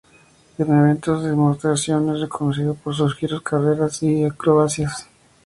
En eventos de demostración es reconocido por sus giros, carreras y acrobacias.